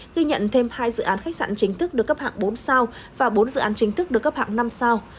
ghi nhận thêm hai dự án khách sạn chính thức được cấp hạng bốn sao và bốn dự án chính thức được cấp hạng năm sao